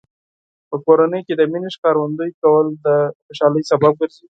په کورنۍ کې د مینې ښکارندوی کول د خوشحالۍ سبب ګرځي.